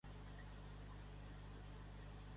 Amunt València, Visca el València, el campió!